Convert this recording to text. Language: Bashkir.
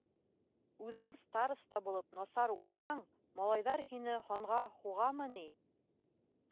Үҙең староста булып насар уҡыһаң, малайҙар һине һанға һуғамы ни?